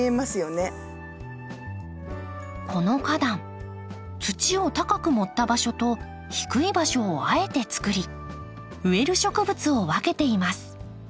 この花壇土を高く盛った場所と低い場所をあえてつくり植える植物を分けています。